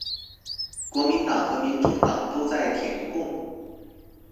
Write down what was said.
國民黨和民眾黨都在舔共